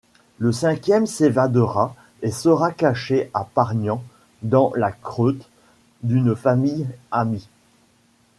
Le cinquième s’évadera et sera caché à Pargnan dans la creute d'une famille amie.